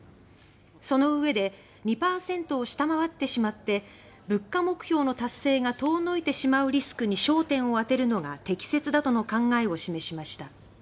そのうえで「２％を下回ってしまって物価目標の達成が遠のいてしまうリスクに焦点を充てるのが適切だ」との考えを示しました。